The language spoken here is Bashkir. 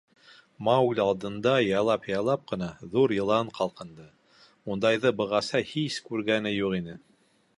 Маугли алдында яйлап-яйлап ҡына ҙур йылан ҡалҡынды, ундайҙы бығаса һис күргәне юҡ ине.